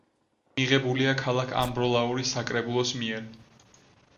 მიღებულია ქალაქ ამბროლაურის საკრებულოს მიერ.